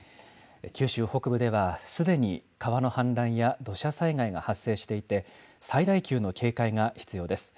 九州北部ではすでに川の氾濫や土砂災害が発生していて、最大級の警戒が必要です。